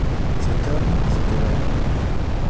Cet homme, c’était l’homme.